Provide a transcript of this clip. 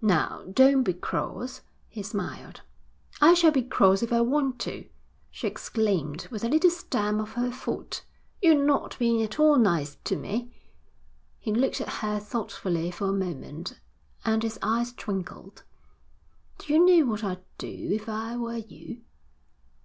'Now, don't be cross,' he smiled. 'I shall be cross if I want to,' she exclaimed, with a little stamp of her foot. 'You're not being at all nice to me.' He looked at her thoughtfully for a moment, and his eyes twinkled. 'Do you know what I'd do if I were you?'